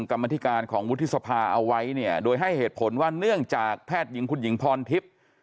กรรมธิการของวุฒิสภาเอาไว้เนี่ยโดยให้เหตุผลว่าเนื่องจากแพทย์หญิงคุณหญิงพรทิพย์